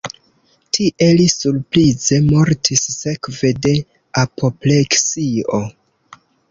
Tie li surprize mortis sekve de apopleksio.